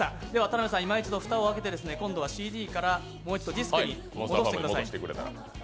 田辺さん、蓋を開けて今度はＣＤからもう１度ディスクに戻してください。